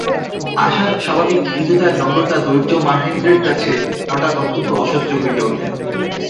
আশার স্বাভাবিক মৃদুতা নম্রতা ধৈর্য মহেন্দ্রের কাছে হঠাৎ অত্যন্ত অসহ্য হইয়া উঠিল।